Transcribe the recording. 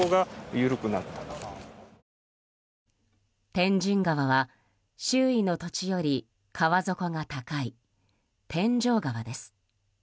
天神川は周囲の土地より川底が高い天井川です。